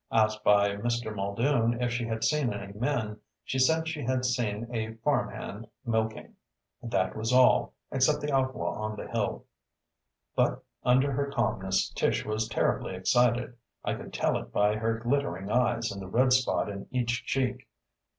Asked by Mr. Muldoon if she had seen any men, she said she had seen a farmhand milking. That was all, except the outlaw on the hill. But under her calmness Tish was terribly excited. I could tell it by her glittering eyes and the red spot in each cheek.